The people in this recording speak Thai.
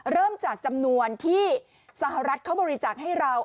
เริ่มจากจำนวนที่สหรัฐเขาบริจาคให้เรา